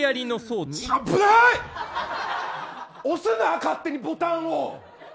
押すな、勝手にボタンを！